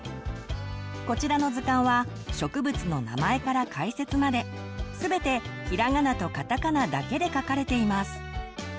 こちらの図鑑は植物の名前から解説まで全てひらがなとカタカナだけで書かれています。